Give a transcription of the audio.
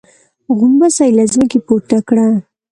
غومبسه يې له ځمکې پورته کړه.